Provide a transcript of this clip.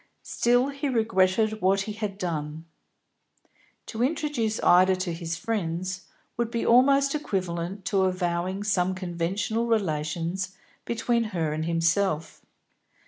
Still, he regretted what he had done. To introduce Ida to his friends would be almost equivalent to avowing some conventional relations between her and himself.